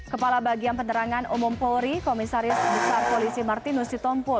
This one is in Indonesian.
kepala bagian penerangan umum polri komisaris besar polisi martinus sitompo